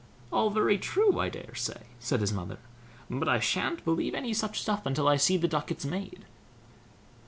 '" "All very true, I daresay", said his mother; "but I shan't believe any such stuff until I see the ducats made."